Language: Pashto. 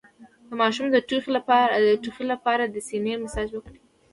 د ماشوم د ټوخي لپاره د سینه مساج وکړئ